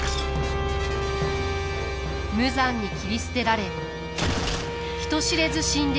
無残に斬り捨てられ人知れず死んでいく忍びたち。